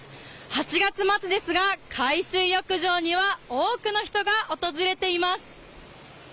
８月末ですが海水浴場には多くの人が訪れています。